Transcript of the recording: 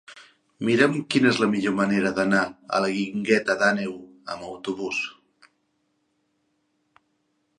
Mira'm quina és la millor manera d'anar a la Guingueta d'Àneu amb autobús.